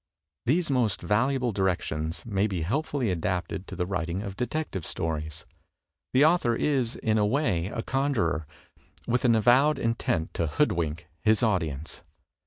These most valuable directions may be helpfully adapted 300 THE TECHNIQUE OF THE MYSTERY STORY to the writing of Detective Stories. The author is, in a way, a conjuror, with an avowed intent to hoodwink his audience.